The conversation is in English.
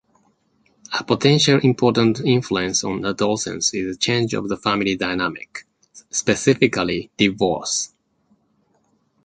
A potential important influence on adolescence is change of the family dynamic, specifically divorce.